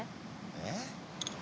えっ？